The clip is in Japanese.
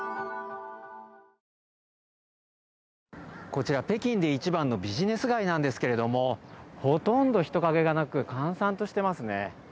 こちら、北京で一番のビジネス街なんですけれども、ほとんど人影がなく閑散としていますね。